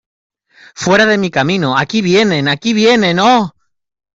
¡ Fuera de mi camino! ¡ aquí vienen !¡ aquí vienen !¡ oh !